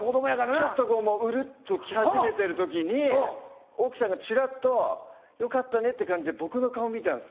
ちょっとうるっと来始めてる時に奥さんがチラっとよかったねって感じで僕の顔を見たんです。